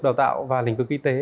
đào tạo và lĩnh vực y tế